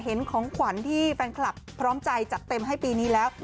ของขวัญที่แฟนคลับพร้อมใจจัดเต็มให้ปีนี้แล้ว